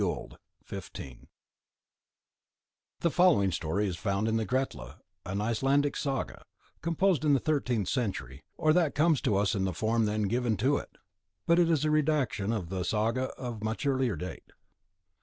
GLÁMR The following story is found in the Gretla, an Icelandic Saga, composed in the thirteenth century, or that comes to us in the form then given to it; but it is a redaction of a Saga of much earlier date.